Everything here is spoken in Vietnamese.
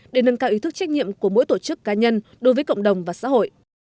để nâng cao ý thức trách nhiệm của mỗi tổ chức cá nhân đối với cộng đồng và xã hội